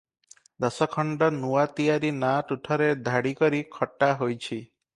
ଦଶଖଣ୍ଡ ନୂଆ ତିଆରି ନାଆ ତୁଠରେ ଧାଡ଼ି କରି ଖଟା ହୋଇଛି ।